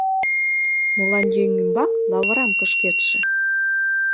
Молан еҥ ӱмбак лавырам кышкетше?